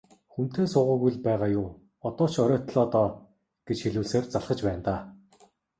Хүнтэй суугаагүй л байгаа юу, одоо ч оройтлоо доо гэж хэлүүлсээр залхаж байна даа.